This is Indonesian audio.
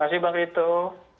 selamat malam terima kasih